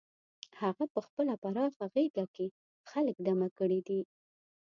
هغه په خپله پراخه غېږه کې خلک دمه کړي دي.